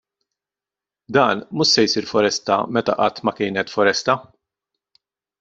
Dan mhux se jsir foresta meta qatt ma kien foresta!